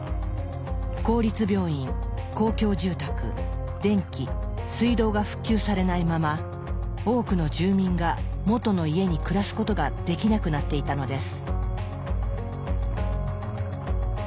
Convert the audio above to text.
公立病院公共住宅電気水道が復旧されないまま多くの住民が元の家に暮らすことができなくなっていたのです。